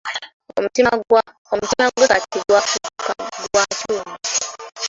Omutima gwe kati gwafuuka gwa kyuma.